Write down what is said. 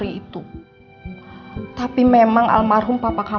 ini omana dari papa